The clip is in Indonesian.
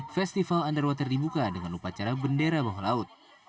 festival underwater dibuka dengan upacara bendera bawah laut